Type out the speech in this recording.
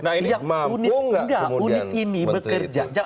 nah ini mampu gak kemudian menteri itu